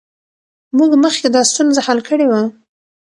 موږ مخکې دا ستونزه حل کړې وه.